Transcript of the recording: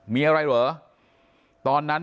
มีอะไรเหรอตอนนั้น